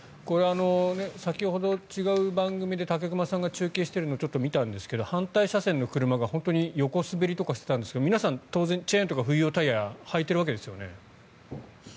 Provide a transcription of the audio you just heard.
先ほど違う番組で武隈さんが中継しているのをちょっと見たんですが反対車線の車が本当に横滑りとかしてたんですが皆さんチェーンとか冬用タイヤを履いているわけですよね。